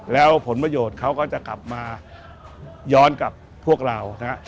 แล้วผลประโยชน์เขาก็จะกลับมาย้อนกับพวกเรานะฮะ